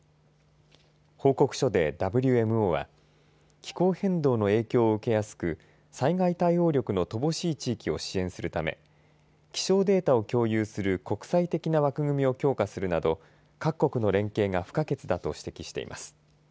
報告書でＷＭＯは気候変動の影響を受けやすく災害対応力の乏しい地域を支援するため気象データを共有する国際的な枠組みを強化するなど各国の連携が不可欠だと指摘しています。